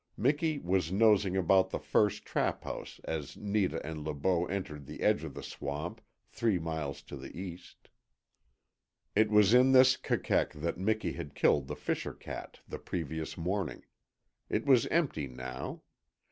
Miki was nosing about the first trap house as Netah and Le Beau entered the edge of the swamp, three miles to the east. It was in this KEKEK that Miki had killed the fisher cat the previous morning. It was empty now.